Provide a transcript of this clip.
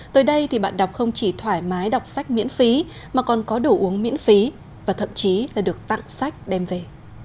tới đây thì bạn đọc không chỉ thoải mái đọc sách miễn phí mà còn có đủ uống miễn phí và thậm chí là được tặng sách đem về